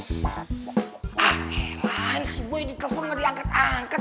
ah elah ini si boy di telepon gak diangkat angkat